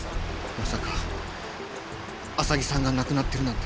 まさか浅木さんが亡くなってるなんて。